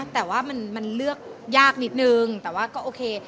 แต่ว่ามันเลือกยากนิดนึงแต่ว่าก็โอเค